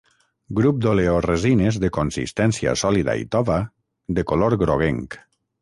Grup d'oleoresines de consistència sòlida i tova, de color groguenc.